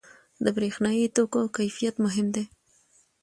• د برېښنايي توکو کیفیت مهم دی.